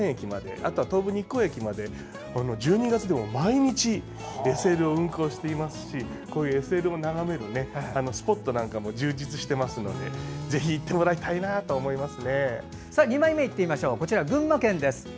あとは東武日光駅まで１２月でも毎日ＳＬを運行していますしＳＬを眺めるスポットなんかも充実してますのでぜひ、行ってもらいたいなと２枚目、こちら群馬県です。